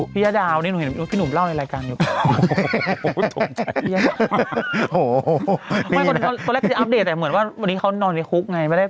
ยะดาวนี่หนูเห็นพี่หนุ่มเล่าในรายการอยู่